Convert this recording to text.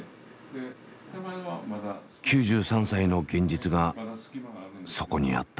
９３歳の現実がそこにあった。